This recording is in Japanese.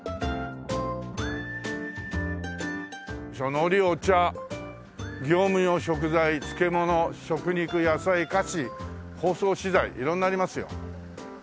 「のり・お茶」「業務用食材」「漬物」「食肉」「野菜」「菓子」「包装資材」色んなありますよ。